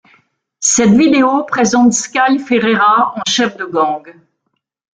Cette vidéo présente Sky Ferreira en chef de gang.